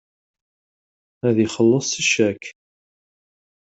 Ad ixelleṣ s ccak.